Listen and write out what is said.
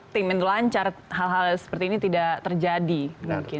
tim ini lancar hal hal seperti ini tidak terjadi mungkin